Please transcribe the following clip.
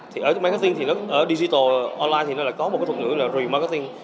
thì ở digital online thì nó có một cái thuật ngữ là remarketing